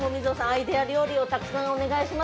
アイデア料理をたくさんお願いします。